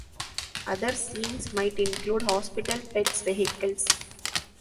Other scenes might include hospital, pets, vehicles.